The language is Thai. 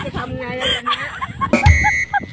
ทำยังไงกันนะ